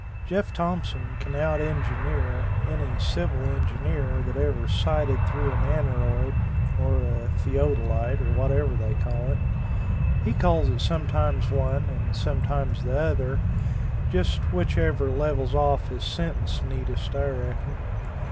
Jeff Thompson can out engineer any civil engineer that ever sighted through an aneroid, or a theodolite, or whatever they call it he calls it sometimes one and sometimes the other just whichever levels off his sentence neatest, I reckon.